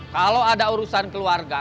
kalau ada urusan keluarga